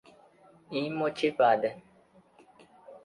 imotivada